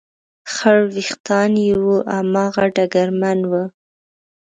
خړ وېښتان یې و، هماغه ډګرمن و.